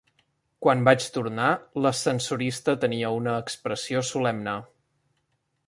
Quan vaig tornar, l'ascensorista tenia una expressió solemne.